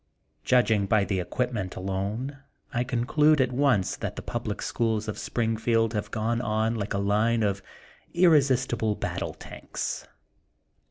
Judging by the equipment alone, I conclude at once that the public schools of Springfield have gone on like a line of irresistible battle tanks.